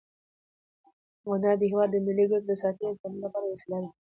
هنر د هېواد د ملي ګټو د ساتنې او تبلیغ لپاره یوه وسیله ده.